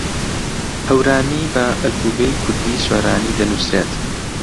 هەورامی بە ئەلفوبێی کوردیی سۆرانی دەنووسرێت.